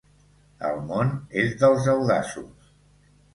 El món és dels audaços